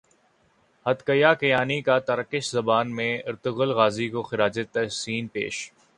حدیقہ کیانی کا ترکش زبان میں ارطغرل غازی کو خراج تحسین پیش